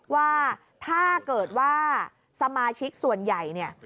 ว่าถ้าเกิดว่าสมาชิกส่วนใหญ่เนี่ย